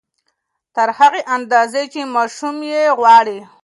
تر هغې اندازې چې ماشوم يې غواړي